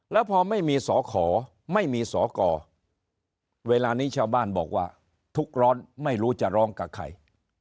แล้วพอไม่มีสอขอไม่มีสอกรเวลานี้ชาวบ้านบอกว่าทุกข์ร้อนไม่รู้จะร้องกับใคร